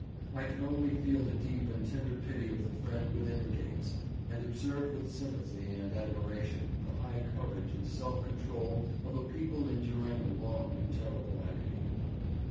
I can only feel the deep and tender pity of the friend within the gates, and observe with sympathy and admiration the high courage and self control of a people enduring a long and terrible agony.'